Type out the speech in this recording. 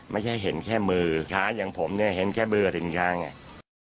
ไม่ใช่เห็นแค่มือช้าอย่างผมเนี่ยเห็นแค่มืออาทิตย์ทางเนี่ย